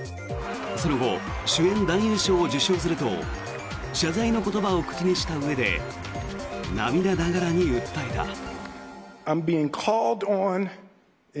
その後、主演男優賞を受賞すると謝罪の言葉を口にしたうえで涙ながらに訴えた。